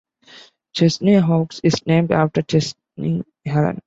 Chesney Hawkes is named after Chesney Allen.